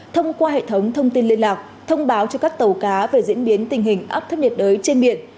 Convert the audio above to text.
thông qua hệ thống thông tin liên lạc thông báo cho các tàu cá về diễn biến tình hình áp thấp nhiệt đới trên biển